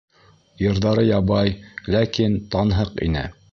Йырҙары ябай, ләкин танһыҡ ине.